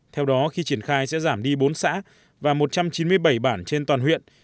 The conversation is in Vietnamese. theo đó khi triển khai sẽ giảm đi bốn xã và một trăm chín mươi bảy bản trên toàn huyện